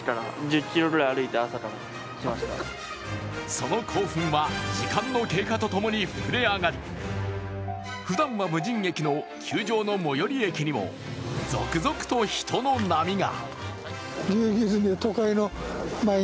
その興奮は、時間の経過とともに膨れ上がり、ふだんは無人駅の球場の最寄り駅にも、続々と人の波が。